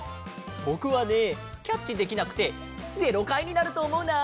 ぼくはねキャッチできなくて０かいになるとおもうな！